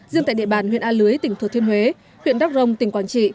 riêng tại địa bàn huyện a lưới tỉnh thuật thiên huế huyện đắk rồng tỉnh quản trị